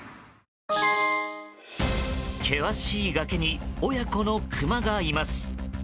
険しい崖に親子のクマがいます。